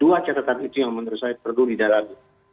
dua catatan itu yang menurut saya perlu didalami